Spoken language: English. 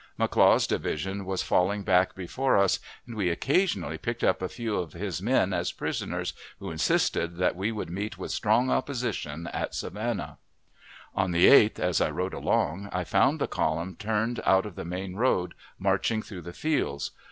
McLaw's division was falling back before us, and we occasionally picked up a few of his men as prisoners, who insisted that we would meet with strong opposition at Savannah. On the 8th, as I rode along, I found the column turned out of the main road, marching through the fields.